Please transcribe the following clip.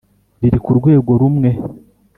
Riri ku rwego rumwe